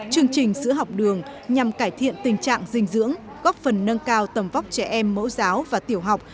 chương trình sữa học đường nhằm cải thiện tình trạng dinh dưỡng góp phần nâng cao tầm vóc trẻ em mẫu giáo và tiểu học